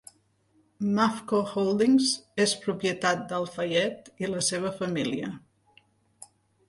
Mafco Holdings és propietat d'Al-Fayed i la seva família.